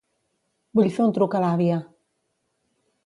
Vull fer un truc a l'àvia.